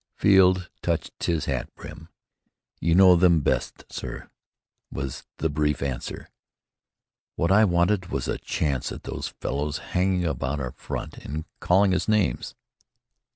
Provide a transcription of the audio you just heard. Field touched his hat brim. "You know them best, sir," was the brief answer. "What I wanted was a chance at those fellows hanging about our front and calling us names."